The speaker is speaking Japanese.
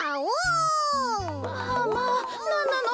まあまあなんなの？